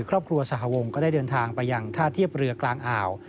ครอบครัวสหวงก็ได้เดินทางไปยังท่าเทียบเรือกลางอ่าว